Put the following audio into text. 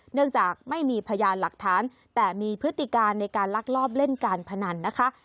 เนื่องจากไม่มีพยานหลักฐานแต่มีพฤติการในการลักลอบเล่นการพนันนะคะ